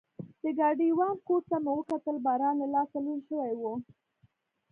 د ګاډیوان کوټ ته مې وکتل، باران له لاسه لوند شوی و.